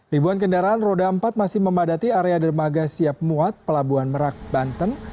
ribuan kendaraan roda empat masih memadati area dermaga siap muat pelabuhan merak banten